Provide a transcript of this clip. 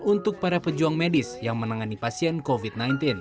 untuk para pejuang medis yang menangani pasien covid sembilan belas